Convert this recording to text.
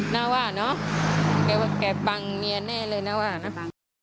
น่าว่าเนาะแกปังเมียแน่เลยเนา่ว่าเนาะ